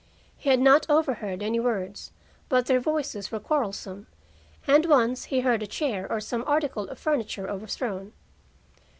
He had not overheard any words, but their voices were quarrelsome, and once he heard a chair or some article of furniture overthrown.